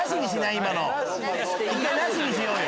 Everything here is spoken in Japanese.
今のなしにしようよ。